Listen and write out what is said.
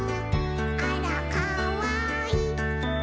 「あらかわいい！」